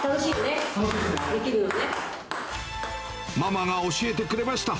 ママが教えてくれました。